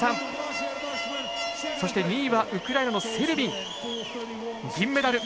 そして２位はウクライナのセルビン銀メダル。